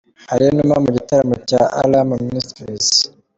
Alain Numa mu gitaramo cya Alarm Ministries.